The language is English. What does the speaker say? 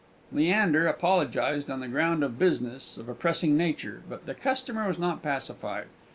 Leander apologized on the ground of business of a pressing nature, but the customer was not pacified.